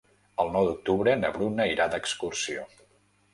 El nou d'octubre na Bruna irà d'excursió.